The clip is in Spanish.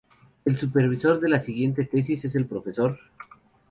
El supervisor de la siguiente tesis es el Prof.